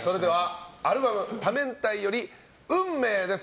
アルバム「多面態」より「運命」です。